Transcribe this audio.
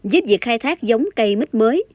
giúp việc khai thác giống cây mít mới